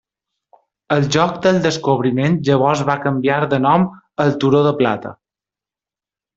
El lloc del descobriment llavors va canviar de nom al turó de plata.